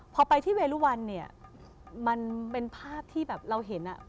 พอไปที่เวรุวรรณมันเป็นภาพที่เราเห็น